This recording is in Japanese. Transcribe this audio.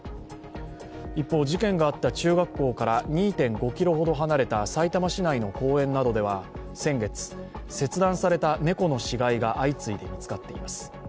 一方、事件があった中学校から２．５ｋｍほど離れたさいたま市内の公園などでは先月、切断された猫の死骸が相次いで見つかっています。